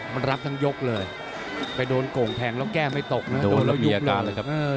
มันรับทั้งยกเลยไปโดนโก่งแทงแล้วแก้ไม่ตกนะครับโดนแล้วยุบเลย